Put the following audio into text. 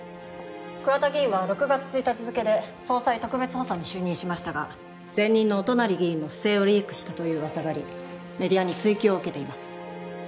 桑田議員は６月１日付で総裁特別補佐に就任しましたが前任の乙成議員の不正をリークしたという噂がありメディアに追及を受けています。